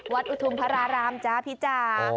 วัดอุทุมพระรามจ้าพี่จ้า